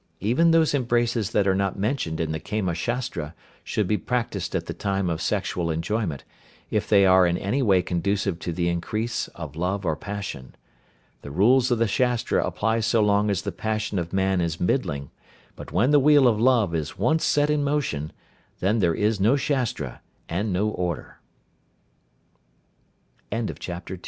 Even those embraces that are not mentioned in the Kama Shastra should be practised at the time of sexual enjoyment, if they are in any way conducive to the increase of love or passion. The rules of the Shastra apply so long as the passion of man is middling, but when the wheel of love is once set in motion, there is then no Shastra and no order." CHAPTER III.